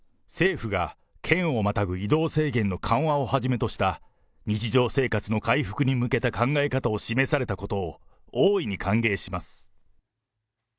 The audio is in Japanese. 政府が県をまたぐ移動制限の緩和をはじめとした、日常生活の回復に向けた考え方を示されたことを大いに歓迎します。